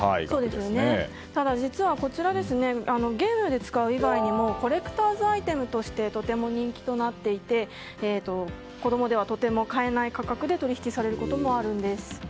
ただ、実はこちらゲームで使う以外にもコレクターズアイテムとしてとても人気となっていて子供ではとても買えない価格で取引されることもあります。